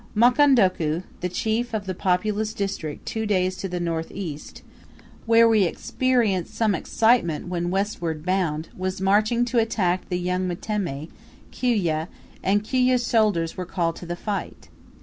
Mukondoku, the chief of the populous district two days to the north east, where we experienced some excitement when westward bound, was marching to attack the young Mtemi, Kiwyeh, and Kiwyeh's soldiers were called to the fight.